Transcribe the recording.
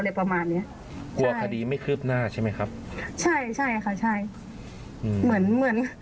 เลยประมาณนี้กลัวคดีไม่คืบหน้าใช่ไหมครับใช่ค่ะใช่เหมือน